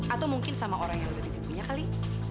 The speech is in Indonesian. atau mungkin sama orang yang udah ditimbunya kali